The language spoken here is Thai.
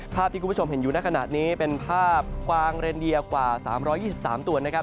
ภาพที่คุณผู้ชมเห็นอยู่ในขณะนี้เป็นภาพกวางเรนเดียกว่า๓๒๓ตัวนะครับ